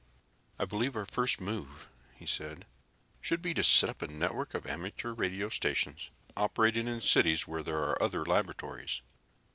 "I believe our first move," he said, "should be to set up a network of amateur radio stations operating in cities where there are other laboratories.